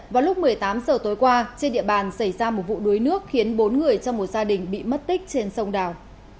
vào lúc một mươi tám h tối qua trên địa bàn xảy ra một vụ đuối nước khiến bốn người trong một gia đình bị mất tích trên sông đào